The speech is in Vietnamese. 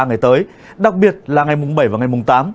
trong cả ba ngày tới đặc biệt là ngày mùng bảy và ngày mùng tám